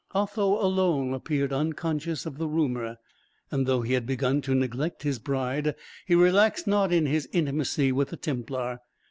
Otho alone appeared unconscious of the rumour, and though he had begun to neglect his bride, he relaxed not in his intimacy with the Templar.